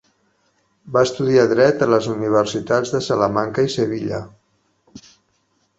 Va estudiar Dret a les universitats de Salamanca i Sevilla.